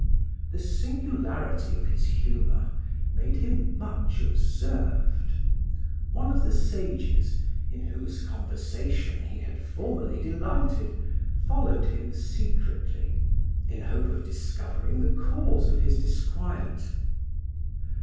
The singularity of his humour made him much observed. One of the sages, in whose conversation he had formerly delighted, followed him secretly, in hope of discovering the cause of his disquiet.